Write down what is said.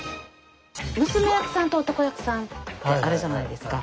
娘役さんと男役さんってあるじゃないですか。